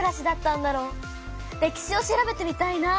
歴史を調べてみたいな。